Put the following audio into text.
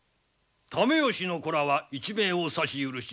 爲義の子らは一命を差し許し